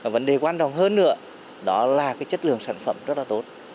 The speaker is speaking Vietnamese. vấn đề quan trọng hơn nữa là chất lượng sản phẩm rất tốt